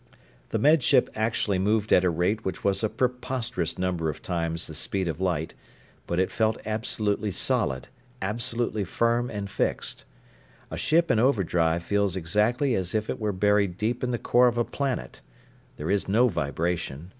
The Med Ship actually moved at a rate which was a preposterous number of times the speed of light, but it felt absolutely solid, absolutely firm and fixed. A ship in overdrive feels exactly as if it were buried deep in the core of a planet. There is no vibration.